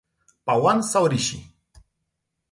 Pawan sau Rishi?